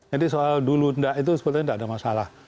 jadi soal dulu tidak itu sepertinya tidak ada masalah